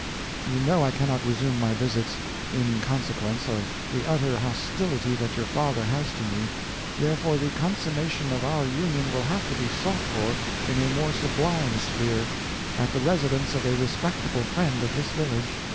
You know I cannot resume my visits, in consequence of the utter hostility that your father has to me; therefore the consummation of our union will have to be sought for in a more sublime sphere, at the residence of a respectable friend of this village.